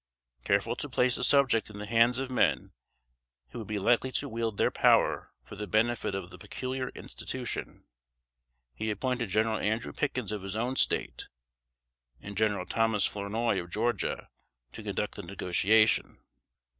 Careful to place the subject in the hands of men who would be likely to wield their power for the benefit of the "peculiar institution," he appointed General Andrew Pickens of his own State, and General Thomas Flournoy of Georgia, to conduct the negotiation.